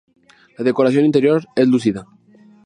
La decoración interior es lúcida.